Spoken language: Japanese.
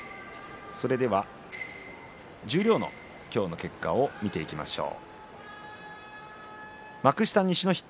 十両の今日の結果を見ていきましょう。